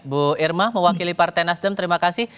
bu irma mewakili partai nasdem terima kasih